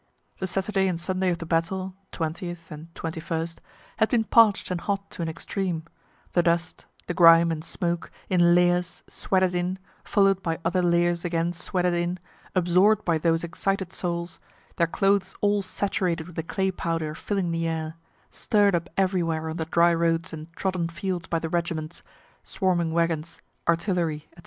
The Saturday and Sunday of the battle (20th, 21st,) had been parch'd and hot to an extreme the dust, the grime and smoke, in layers, sweated in, follow'd by other layers again sweated in, absorb'd by those excited souls their clothes all saturated with the clay powder filling the air stirr'd up everywhere on the dry roads and trodden fields by the regiments, swarming wagons, artillery, &c.